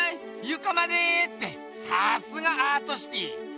ゆかまでってさすがアートシティー！